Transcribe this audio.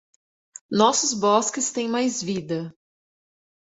Nossos bosques têm mais vida